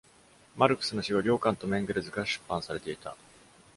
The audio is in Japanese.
マルクスの死後、両巻ともエンゲルズから出版されていた。